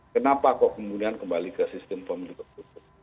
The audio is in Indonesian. kenapa kok kemudian kembali ke sistem pemilu tertutup